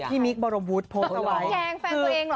พี่มิ๊กบารมพุธโพสต์เอาไว้พี่แยงแฟนตัวเองเหรอ